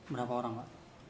berapa orang pak